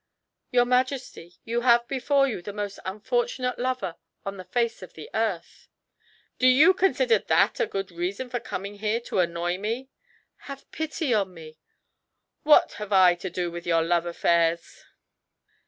"Your Majesty, you have before you the most unfortunate lover on the face of the earth." "Do you consider that a good reason for coming here to annoy me?" "Have pity on me." "What have I to do with your love affairs?"